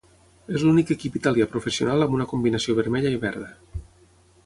És l'únic equip italià professional amb una combinació vermella i verda.